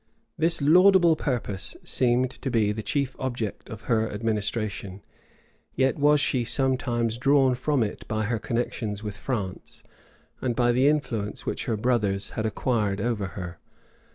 [] This laudable purpose seemed to be the chief object of her administration; yet was she sometimes drawn from it by her connections with France, and by the influence which her brothers had acquired over her.